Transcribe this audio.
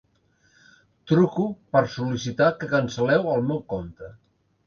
Truco per sol·licitar que cancel·leu el meu compte.